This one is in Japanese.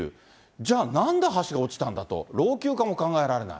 じゃあ、なんで橋が落ちたんだと、老朽化も考えられない。